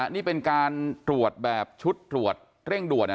นี่เป็นการตรวจแบบชุดตรวจเร่งด่วน